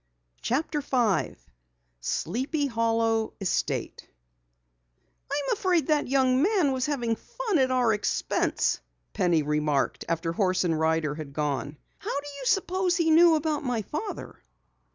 CHAPTER 5 SLEEPY HOLLOW ESTATE "I'm afraid that young man was having fun at our expense," Penny remarked after horse and rider had gone. "How do you suppose he knew about my father?"